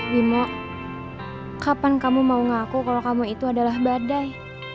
bimo kapan kamu mau ngaku kalau kamu itu adalah badai